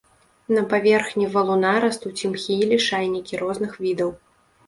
На паверхні валуна растуць імхі і лішайнікі розных відаў.